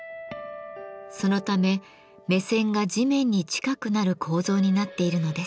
そのため目線が地面に近くなる構造になっているのです。